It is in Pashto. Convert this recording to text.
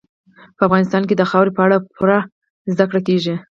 په افغانستان کې د خاورې په اړه پوره زده کړه کېږي.